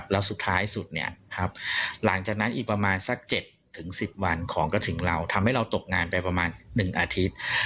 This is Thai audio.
แล้วสุดท้ายสุดเนี่ยครับหลังจากนั้นอีกประมาณสัก๗๑๐วันของกระถิ่นเราทำให้เราตกงานไปประมาณ๑อาทิตย์